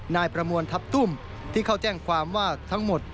นายประมวลทัพตุ้มที่เขาแจ้งความว่าทั้งหมด